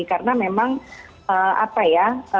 karena memang apa ya